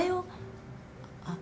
あっ。